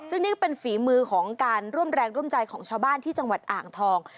ซึ่งนี่ก็เป็นฝีมือของการร่วมแรงร่วมใจของชาวบ้านที่จังหวัดอ่างทอง